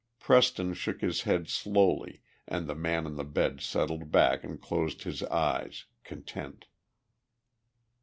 Preston shook his head slowly and the man on the bed settled back and closed his eyes, content.